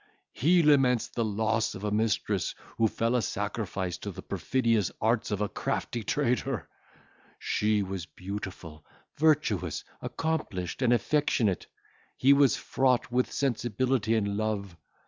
He laments the loss of a mistress, who fell a sacrifice to the perfidious arts of a crafty traitor. She was beautiful, virtuous, accomplished, and affectionate; he was fraught with sensibility and love.